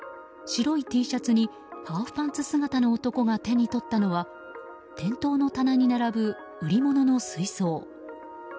白いＴシャツにハーフパンツ姿の男が手に取ったのは店頭の棚に並ぶ売り物の水槽。